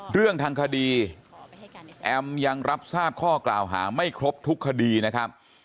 เรื่องทางคดีแอมยังรับทราบข้อกล่าวหาไม่ครบทุกคดีนะครับ